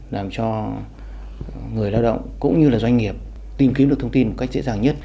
làm cho người lao động cũng như là doanh nghiệp tìm kiếm được thông tin một cách dễ dàng nhất